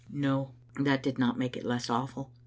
No, that did not make it less awful.